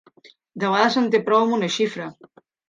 De vegades en té prou amb una xifra.